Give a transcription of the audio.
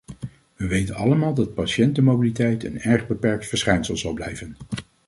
We weten allemaal dat patiëntenmobiliteit een erg beperkt verschijnsel zal blijven.